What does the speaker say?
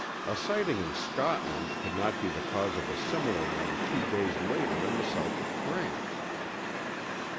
A sighting in Scotland could not be the cause of a similar one two days later in the south of France.